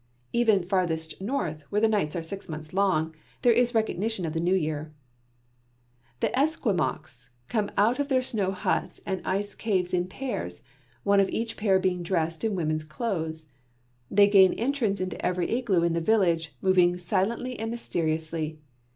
Even "farthest North," where the nights are six months long, there is recognition of the New Year. The Esquimaux come out of their snow huts and ice caves in pairs, one of each pair being dressed in women's clothes. They gain entrance into every igloo in the village, moving silently and mysteriously.